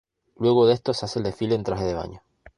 Luego de esto se hace el desfile en traje de baño.